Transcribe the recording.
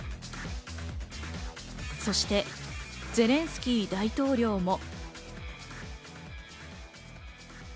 そしてゼレンスキー大統領も。